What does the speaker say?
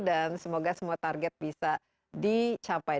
dan semoga semua target bisa dicapai